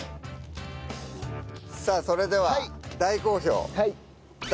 さあそれでは大好評。